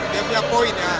dia punya poin ya